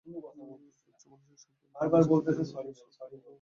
তুচ্ছ মানুষের সন্তানেরাও বেঁচে থাকলে ভোগে, হত্যা হলে চোর-ডাকাতের খেতাব পায়।